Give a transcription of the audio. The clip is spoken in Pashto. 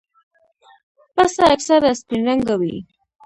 پسه اکثره سپین رنګه وي.